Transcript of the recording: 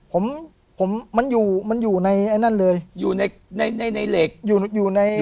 ผมผมมันอยู่มันอยู่ในไอ้นั่นเลยอยู่ในในในเหล็กอยู่อยู่ใน